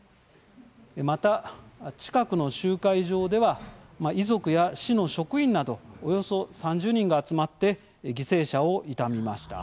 また、近くの集会場では遺族や市の職員などおよそ３０人が集まって犠牲者を悼みました。